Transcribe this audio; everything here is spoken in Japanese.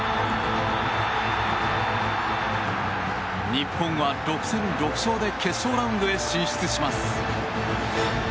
日本は６戦６勝で決勝ラウンドへ進出します。